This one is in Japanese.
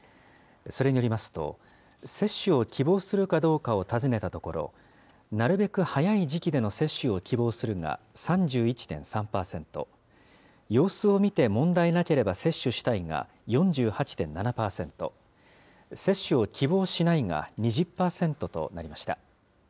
それによりますと、接種を希望するかどうかを尋ねたところ、なるべく早い時期での接種を希望するが３１．３％、様子を見て問題なければ接種したいが４８．７％、接種を希望しないが２０％となりました。